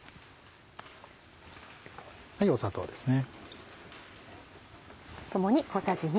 砂糖ですね。